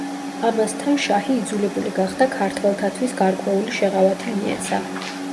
ამასთან შაჰი იძულებული გახდა ქართველთათვის გარკვეული შეღავათი მიეცა.